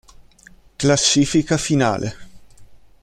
Classifica Finale